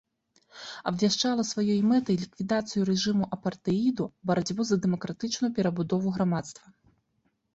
Абвяшчала сваёй мэтай ліквідацыю рэжыму апартэіду, барацьбу за дэмакратычную перабудову грамадства.